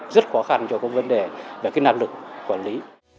rất khó khăn cho vấn đề về năng lực quản lý